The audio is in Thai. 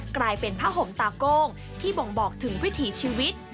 กลายเป็นผ้าห่มตาโก้งที่บ่งบอกถึงวิถีชีวิต